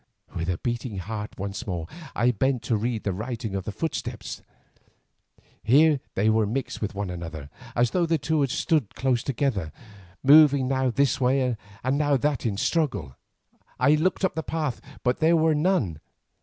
With a beating heart once more I bent to read the writing of the footsteps. Here they were mixed one with another, as though the two had stood close together, moving now this way and now that in struggle. I looked up the path, but there were none.